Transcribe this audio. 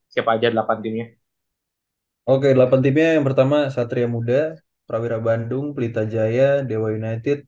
siapa aja delapan timnya oke delapan timnya yang pertama satria muda prawira bandung pelita jaya dewa united